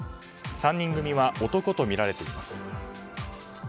３人組は男とみられています。